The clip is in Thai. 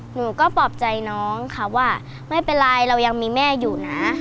หนูก็ปลอบใจน้องค่ะว่าไม่เป็นไรเรายังมีแม่อยู่นะ